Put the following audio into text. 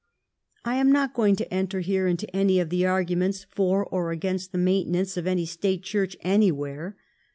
I am not going to enter here into any of the arguments for or against the maintenance of any State Church anywhere.